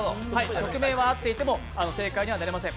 曲名は合っていても正解にはなりません。